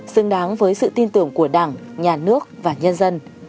xứng đáng với sự tin tưởng của đảng nhà nước và nhân dân